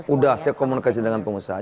udah saya komunikasi dengan pengusaha